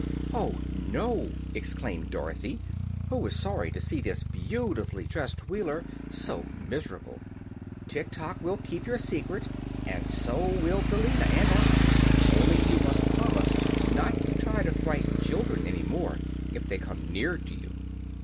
"Oh, no," exclaimed Dorothy, who was sorry to see this beautifully dressed Wheeler so miserable; "Tiktok will keep your secret, and so will Billina and I. Only, you must promise not to try to frighten children any more, if they come near to you."